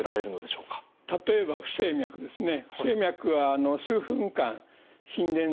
例えば不整脈ですね。